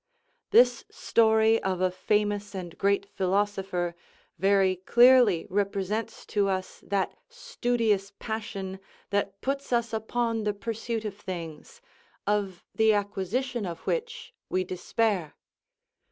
This story of a famous and great philosopher very clearly represents to us that studious passion that puts us upon the pursuit of things, of the acquisition of which we despair.